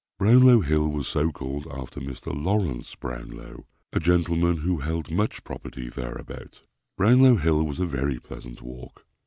Brownlow hill was so called after Mr. Lawrence Brownlow, a gentleman who held much property thereabout. Brownlow hill was a very pleasant walk.